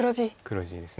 黒地です。